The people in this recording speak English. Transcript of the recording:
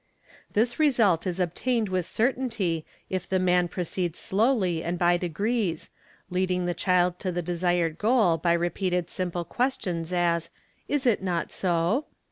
This result is obtained with certainty if the man proceed slowly and by degrees, leading the child to the desired goal by repeatet simple questions, as, 'Is it not so?"